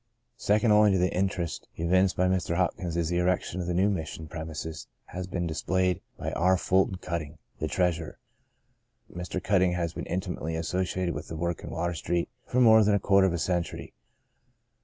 Second only to the interest evinced by Mr. Hopkins in the erection of the new Mission premises has been that displayed by R. Ful ton Cutting, the treasurer. Mr. Cutting The Greatest of These 29 has been intimately associated with the work in Water Street for more than a quarter of a century.